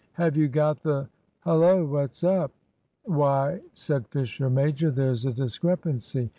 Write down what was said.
"Have you got the Hullo, what's up?" "Why," said Fisher major, "there's a discrepancy.